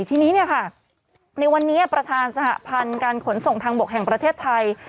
ทีนี้ในวันนี้ประธานสหพันธ์การขนส่งทางบกแห่งประเทศไทย